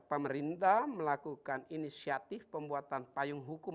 pemerintah melakukan inisiatif pembuatan payung hukum